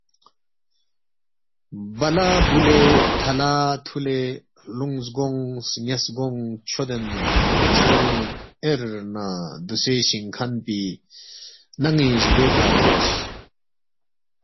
بَلا بُولے، تَھلا تھُلے، ہلُونگ زگونگ سن٘یاس گونگ چھودین ژھنی ایر نہ دوسے شِنگ کھن پی نن٘ی زگوے کھہ تھونس